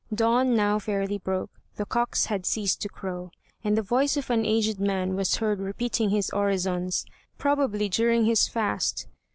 Dawn now fairly broke; the cocks had ceased to crow, and the voice of an aged man was heard repeating his orisons, probably during his fast.